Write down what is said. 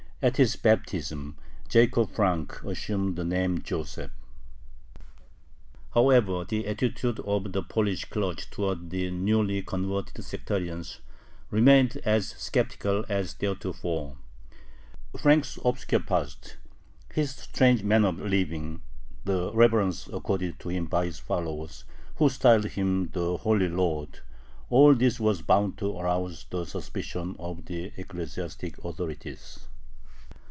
At his baptism Jacob Frank assumed the name Joseph. However, the attitude of the Polish clergy towards the newly converted sectarians remained as skeptical as theretofore. Frank's obscure past, his strange manner of living, the reverence accorded to him by his followers, who styled him the "Holy Lord" all this was bound to arouse the suspicion of the ecclesiastic authorities.